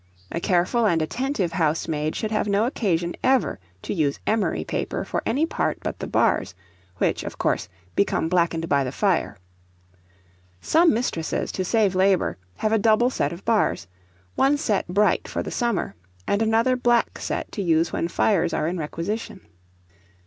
A careful and attentive housemaid should have no occasion ever to use emery paper for any part but the bars, which, of course, become blackened by the fire. (Some mistresses, to save labour, have a double set of bars, one set bright for the summer, and another black set to use when fires are in requisition.)